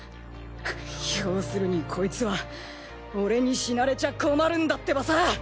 要するにコイツは俺に死なれちゃ困るんだってばさ。